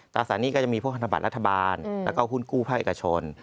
ตราสารหนี้ก็จะมีพวกพันธบัตรรัฐบาลแล้วก็หุ้นกู้ภาคเอกชน